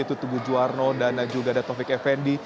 itu tugu juwarno dan juga ada taufik effendi